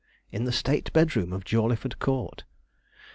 in the state bedroom of Jawleyford Court.